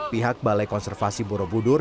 pihak balai konservasi borobudur